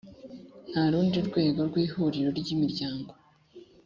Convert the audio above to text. nta rundi rwego rw Ihuriro ry Imiryango